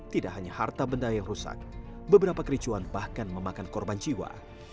tidak hanya harta benda yang rusak beberapa kericuan bahkan memakan korban jiwa